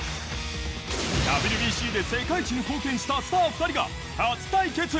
ＷＢＣで世界一に貢献したスター２人が初対決。